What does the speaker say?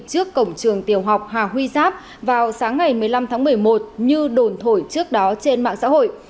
trước cổng trường tiểu học hà huy giáp vào sáng ngày một mươi năm tháng một mươi một như đồn thổi trước đó trên mạng xã hội